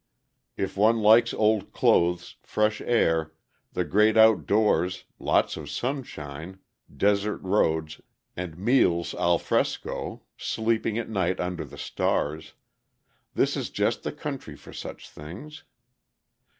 If one likes old clothes, fresh air, the great outdoors, lots of sunshine, desert roads, and meals al fresco, sleeping at night under the stars, this is just the country for such things.